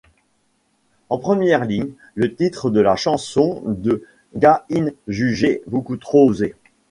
En première ligne, le titre de la chanson de Ga-in jugé beaucoup trop osé.